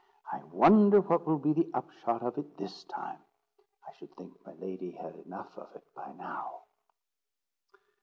I wonder what will be the upshot of it this time. I should think my lady had enough of it by now!"